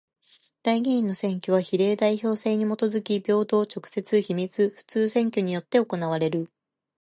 代議員の選挙は比例代表制にもとづき平等、直接、秘密、普通選挙によって行われる。